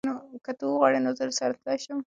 که ته وغواړې نو زه درسره تلی شم.